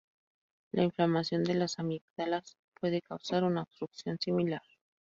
La inflamación de las amígdalas puede causar una obstrucción similar.